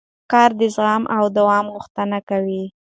کار د زغم او دوام غوښتنه کوي